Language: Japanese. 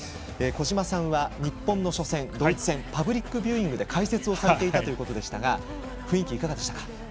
小島さんは、日本の初戦ドイツ戦パブリックビューイングで解説をされていたということでしたが雰囲気、いかがでしたか？